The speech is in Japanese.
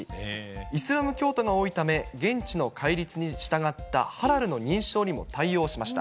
イスラム教徒が多いため、現地の戒律に従ったハラルの認証にも対応しました。